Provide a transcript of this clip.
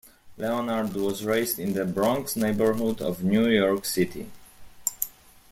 Leonard was raised in the Bronx neighborhood of New York City.